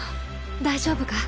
大丈夫か？